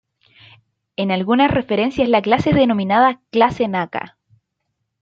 En algunas referencias la clase es denominada "clase Naka".